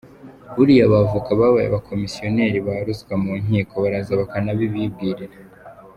Buriya abavoka babaye abakomisiyoneri ba ruswa mu nkiko, baraza bakanabibwirira.